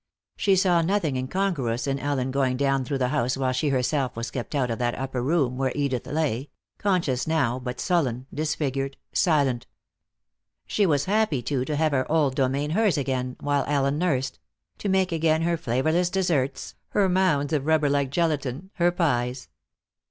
She saw nothing incongruous in Ellen going down through the house while she herself was kept out of that upper room where Edith lay, conscious now but sullen, disfigured, silent. She was happy, too, to have her old domain hers again, while Ellen nursed; to make again her flavorless desserts, her mounds of rubberlike gelatine, her pies.